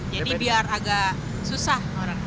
jadi biar agak susah